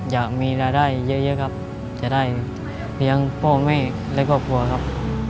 อยากมีรายได้เยอะครับจะได้เลี้ยงพ่อแม่และครอบครัวครับ